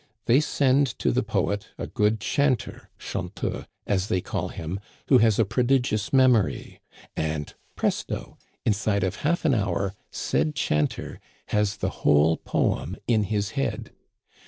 They send to the poet a good chanter (chanteux)^ as they call him, who has a prodigious memory ; and, presto ! inside of half an hour said chanter has the whole poem in his head.